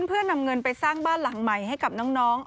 เพื่อนำเงินไปสร้างบ้านหลังใหม่ให้กับน้อง